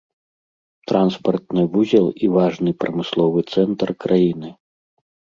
Транспартны вузел і важны прамысловы цэнтр краіны.